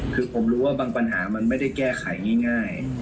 คือผมรู้ว่าบางปัญหามันไม่ได้แก้ไขง่าย